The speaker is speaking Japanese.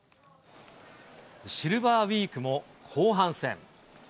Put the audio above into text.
シルバーウイークも後半戦。